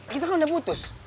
kita kan udah putus